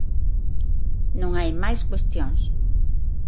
Non hai máis cuestións.